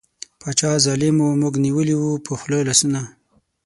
باچا ظالیم وو موږ نیولي وو په خوله لاسونه